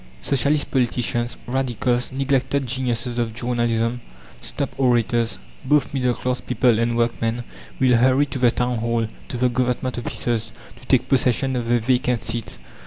Socialist politicians, radicals, neglected geniuses of journalism, stump orators both middle class people and workmen will hurry to the Town Hall, to the Government offices, to take possession of the vacant seats.